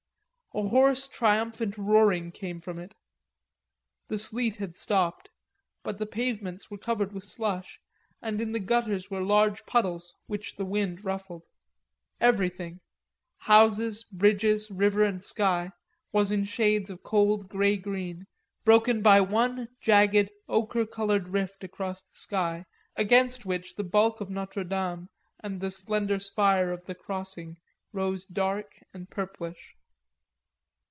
A hoarse triumphant roaring came from it. The sleet had stopped; but the pavements were covered with slush and in the gutters were large puddles which the wind ruffled. Everything, houses, bridges, river and sky, was in shades of cold grey green, broken by one jagged ochre colored rift across the sky against which the bulk of Notre Dame and the slender spire of the crossing rose dark and purplish.